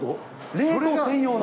冷凍専用の？